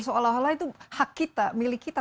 seolah olah itu hak kita milik kita